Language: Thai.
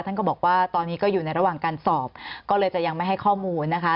ท่านก็บอกว่าตอนนี้ก็อยู่ในระหว่างการสอบก็เลยจะยังไม่ให้ข้อมูลนะคะ